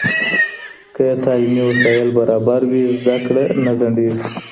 که تعلیمي وسایل برابر وي، زده کړه نه ځنډېږي.